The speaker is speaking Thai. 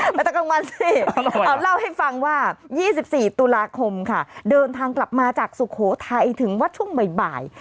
มาตอนกลางวันสิเอาเล่าให้ฟังว่า๒๔ตุลาคมค่ะเดินทางกลับมาจากสุโขทัยถึงวัดช่วงบ่าย